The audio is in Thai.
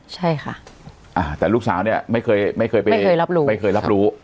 ใช่ค่ะอ่าแต่ลูกสาวเนี่ยไม่เคยไม่เคยไปไม่เคยรับรู้ไม่เคยรับรู้